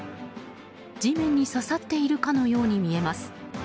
地面に刺さっているかのように見えます。